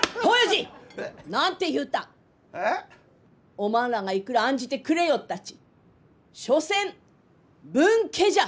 おまんらがいくら案じてくれよったち所詮分家じゃ！